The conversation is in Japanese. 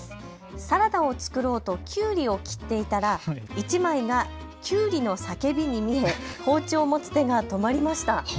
サラダを作ろうとキュウリを切っていたら１枚がキュウリの叫びに見え包丁を持つ手が止まりました。